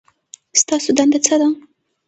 ستاسو دنده څه ده؟